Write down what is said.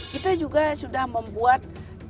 kita juga sudah membuat